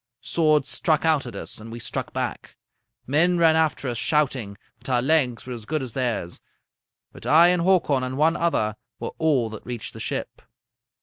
Swords struck out at us, and we struck back. Men ran after us shouting, but our legs were as good as theirs. But I and Hakon and one other were all that reached the ship.